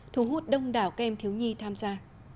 thu hút đông đảo các em thiếu nhi tham gia